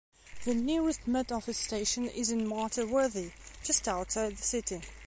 The nearest Met Office station is in Martyr Worthy, just outside the city.